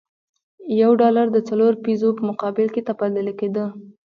یو ډالر د څلورو پیزو په مقابل کې تبادله کېده.